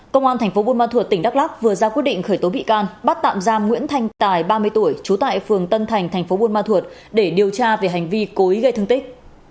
công an tp buôn ma thuột tỉnh đắk lắk vừa ra quyết định khởi tố bị can bắt tạm giam nguyễn thành tài ba mươi tuổi trú tại phường tân thành tp buôn ma thuột để điều tra về hành vi cố ý gây thương tích